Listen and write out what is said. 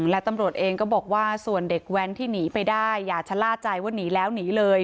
และตำรวจเองก็บอกว่าส่วนเด็กแว้นที่หนีไปได้อย่าชะล่าใจว่าหนีแล้วหนีเลย